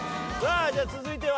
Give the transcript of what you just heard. さあじゃあ続いては。